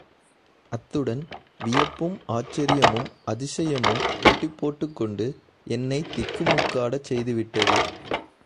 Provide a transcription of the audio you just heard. அத்துடன் வியப்பும் ஆச்சரியமும் அதிசயமும் போட்டிபோட்டுக் கொண்டு என்னைத்திக்கு முக்காடச் செய்து விட்டது.